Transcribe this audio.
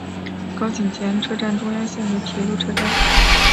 高井田车站中央线的铁路车站。